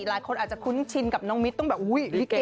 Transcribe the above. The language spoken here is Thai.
หลายคนอยากคุ้นชินกับน้องมิตต้องแบบพี่เก